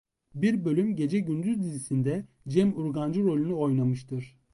Bir bölüm Gece Gündüz dizisinde Cem Urgancı rolünü oynamıştır.